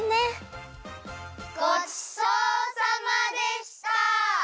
ごちそうさまでした！